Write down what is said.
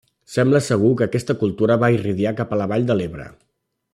Sembla segur que aquesta cultura va irradiar cap a la vall de l'Ebre.